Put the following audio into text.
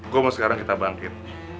kok mau sekarang kita bangkit